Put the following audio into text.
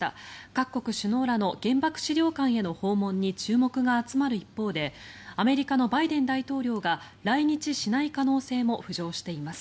各国首脳らの原爆資料館への訪問に注目が集まる一方でアメリカのバイデン大統領が来日しない可能性も浮上しています。